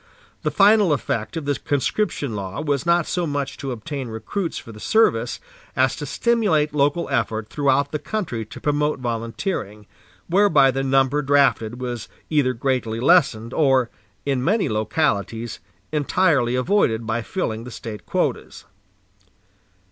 The final effect of the conscription law was not so much to obtain recruits for the service, as to stimulate local effort throughout the country to promote volunteering, whereby the number drafted was either greatly lessened or, in many localities, entirely avoided by filling the State quotas.